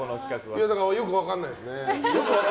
よく分からないですね。